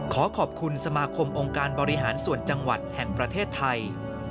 ขอขอบคุณสมาคมองค์การบริหารส่วนจังหวัดแห่งประเทศไทย